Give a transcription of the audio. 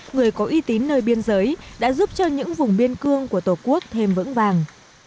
người có uy tín nơi biên giới đã giúp cho những vùng biên cương của tổ quốc thêm vững vàng